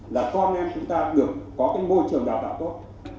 là con em chúng ta được có cái môi trường đào tạo tốt